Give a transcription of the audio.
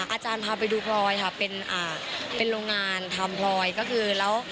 อาจารย์พาไปดูปลอยค่ะเป็นอ่าเป็นโรงงานทำปลอยก็คือแล้ว